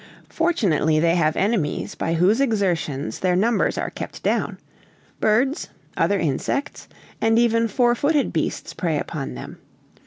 Fortunately they have enemies by whose exertions their numbers are kept down; birds, other insects, and even four footed beasts prey upon them.